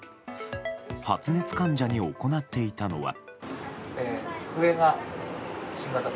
発熱患者に行っていたのは。